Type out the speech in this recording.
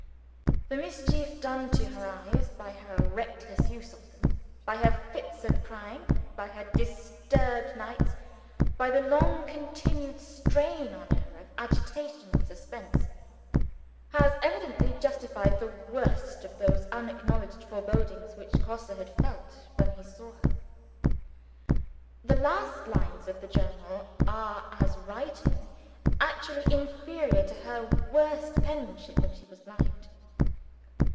The mischief done to her eyes by her reckless use of them, by her fits of crying, by her disturbed nights, by the long continued strain on her of agitation and suspense, has evidently justified the worst of those unacknowledged forebodings which Grosse felt when he saw her. The last lines of the Journal are, as writing, actually inferior to her worst penmanship when she was blind.